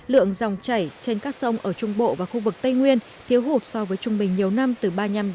lượng dòng chảy trên các sông ở trung bộ và khu vực tây nguyên thiếu hụt so với trung bình nhiều năm từ ba mươi năm năm mươi